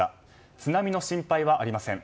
津波の心配はありません。